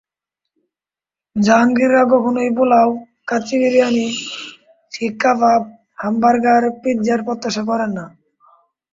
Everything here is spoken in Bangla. জাহাঙ্গীররা কখনোই পোলাও, কাচ্চি বিরিয়ানি, শিককাবাব, হামবার্গার, পিৎজার প্রত্যাশা করেন না।